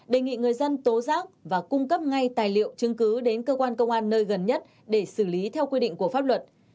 đề nghị người dân tố giác và cung cấp ngay tài liệu chứng cứ đến cơ quan công an nơi gần nhất để xử lý theo quy định của pháp luật